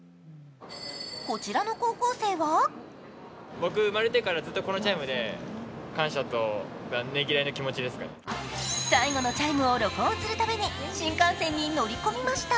こちらの高校生は最後のチャイムを録音するため新幹線に乗り込みました。